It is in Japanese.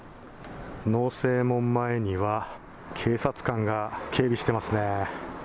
農正門前には警察官が警備してますね。